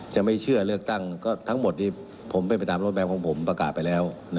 จะไม่เชื่อเลือกตั้งก็ทั้งหมดนี้ผมเป็นไปตามรถแมพของผมประกาศไปแล้ว